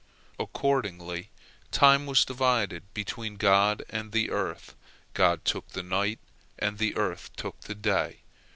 Accordingly, time was divided between God and the earth; God took the night, and the earth took the day.